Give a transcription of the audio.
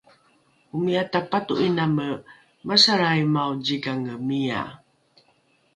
omi’a tapato’iname “masalraimao zikange” mia